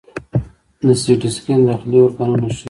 د سی ټي سکین داخلي ارګانونه ښيي.